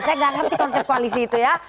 saya nggak ngerti konsep koalisi itu ya